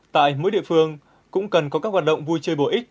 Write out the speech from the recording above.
tại mỗi địa phương cũng cần có các hoạt động vui chơi bổ ích